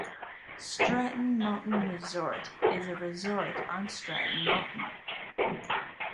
Stratton Mountain Resort is a resort on Stratton Mountain.